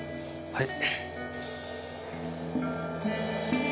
はい？